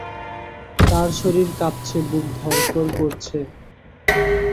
তাঁর শরীর কাঁপছে, বুক ধড়ফড় করছে।